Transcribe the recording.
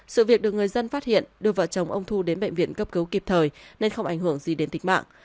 sự việc được người dân phát hiện đưa vợ chồng ông thu đến bệnh viện cấp cứu kịp thời nên không ảnh hưởng gì đến kịch mạng